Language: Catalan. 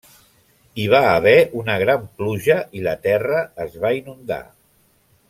Hi va haver una gran pluja i la terra es va inundar.